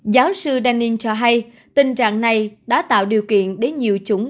giáo sư denning cho hay tình trạng này đã tạo điều kiện để nhiều chúng